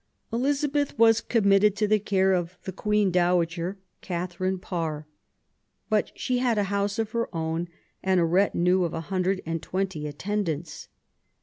Elizabeth was committed to the care of the Queen Dowager, Catherine Parr; but she had a house of her own and a retinue of a hundred and twenty attendants.